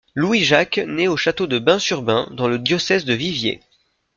Louis-Jacques nait au château de Bain-sur-Bains dans le diocèse de Viviers.